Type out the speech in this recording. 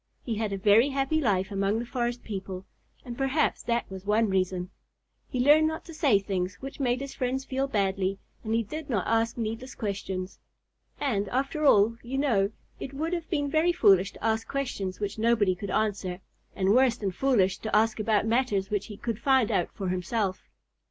He had a very happy life among the forest people, and perhaps that was one reason. He learned not to say things which made his friends feel badly, and he did not ask needless questions. And after all, you know, it would have been very foolish to ask questions which nobody could answer, and worse than foolish to ask about matters which he could find out for himself.